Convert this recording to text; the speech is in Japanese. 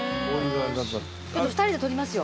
２人で撮りますよ。